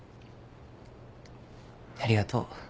ありがとう。